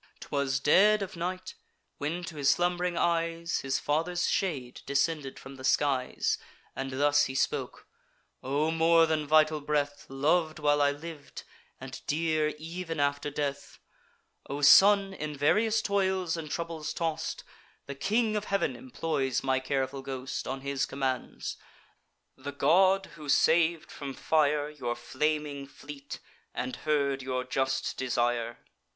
'Twas dead of night; when to his slumb'ring eyes His father's shade descended from the skies, And thus he spoke: "O more than vital breath, Lov'd while I liv'd, and dear ev'n after death; O son, in various toils and troubles toss'd, The King of Heav'n employs my careful ghost On his commands: the god, who sav'd from fire Your flaming fleet, and heard your just desire.